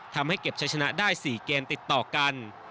ทำให้เก็บใช้ชนะได้๔เกมติดต่อกัน